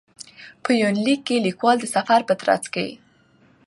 په یونلیک کې لیکوال د سفر په ترڅ کې.